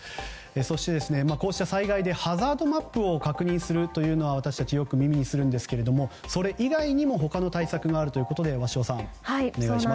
そして、こうした災害でハザードマップを確認するというのは私たち、よく耳にするんですけどそれ以外にも他の対策があるということで鷲尾さん、お願いします。